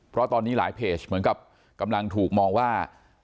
เพราะตอนนี้หลายเพจเหมือนกับกำลังถูกมองว่า